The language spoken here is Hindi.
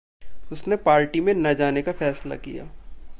उसने पार्टी में न जाने का फ़ैसला किया।